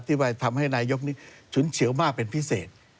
ที่ว่าทำให้นายกนี้ฉุนเฉียวมากเป็นพิเศษ